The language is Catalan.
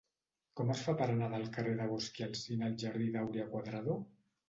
Com es fa per anar del carrer de Bosch i Alsina al jardí d'Áurea Cuadrado?